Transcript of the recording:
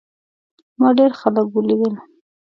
ما ډېر خلک ولیدل.